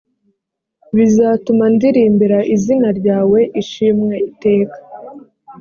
bizatuma ndirimbira izina ryawe ishimwe iteka